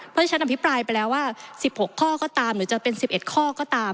เพราะฉะนั้นอภิปรายไปแล้วว่า๑๖ข้อก็ตามหรือจะเป็น๑๑ข้อก็ตาม